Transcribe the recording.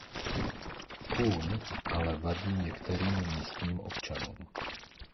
Kůň ale vadí některým místním občanům.